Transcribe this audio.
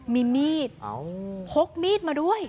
มีมีดพกมีดมาด้วย